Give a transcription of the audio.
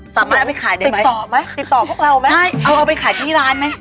สามารถเอาไปขายได้ติดต่อไหมติดต่อพวกเราไหมได้เอาไปขายที่ร้านไหม